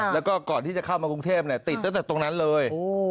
แล้วก็ก่อนที่จะเข้ามากรุงเทพติดตั้งแต่ตรงนั้นเลย